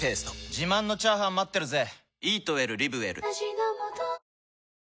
自慢のチャーハン待ってるぜ！